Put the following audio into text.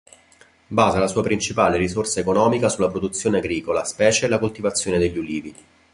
Basa la sua principale risorsa economica sulla produzione agricola, specie la coltivazione degli ulivi.